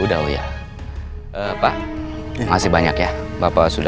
sudah maaf ya pak masih banyak ya bapak sudah maaf ya pak masih banyak ya bapak sudah maaf ya